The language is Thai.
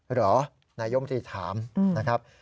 เหรอนายมตรีถามนะครับ